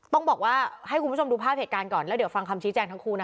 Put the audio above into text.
ต้องบอกว่าให้คุณผู้ชมดูภาพเหตุการณ์ก่อนแล้วเดี๋ยวฟังคำชี้แจงทั้งคู่นะ